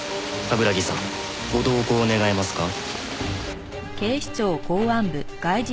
冠城さんご同行願えますか？